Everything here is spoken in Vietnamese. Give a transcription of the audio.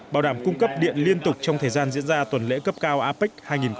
bảo đảm cung cấp điện liên tục trong thời gian diễn ra tuần lễ cấp cao apec hai nghìn hai mươi